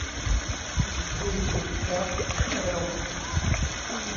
รีบปิดแก๊สเร็ว !